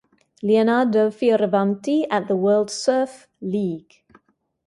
Leonardo Fioravanti at the World Surf League.